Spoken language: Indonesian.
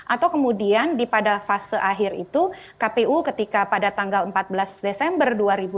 atau kemudian pada fase akhir itu kpu ketika pada tanggal empat belas desember dua ribu dua puluh